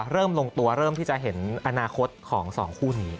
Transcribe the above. ลงตัวเริ่มที่จะเห็นอนาคตของสองคู่นี้